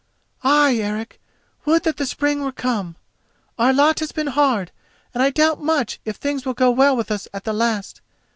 "Ay, Eric, would that the spring were come. Our lot has been hard, and I doubt much if things will go well with us at the last.